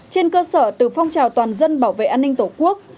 trên cơ sở từ phong trào toàn dân bảo vệ an ninh tổ quốc